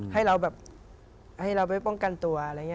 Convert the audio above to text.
ให้เราแบบให้เราไปป้องกันตัวอะไรอย่างนี้